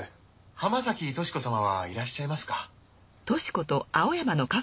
浜崎とし子様はいらっしゃいますか？